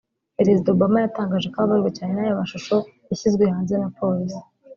Perezida Obama yatangaje ko ababajwe cyane n’ayo mashusho yashyizwe hanze na polisi